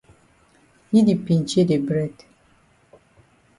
Yi di pinchay de bread.